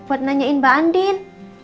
buat nanyain mbak andin